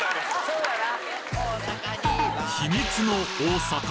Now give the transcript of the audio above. そうだな。